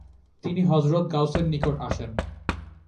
তিনি হযরত গাউসের নিকট আসেন।